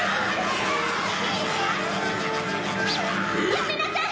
やめなさい！